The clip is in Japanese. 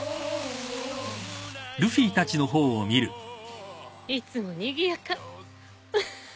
いつもにぎやか。